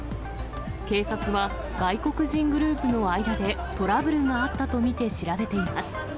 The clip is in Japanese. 警察は、外国人グループの間で、トラブルがあったと見て調べています。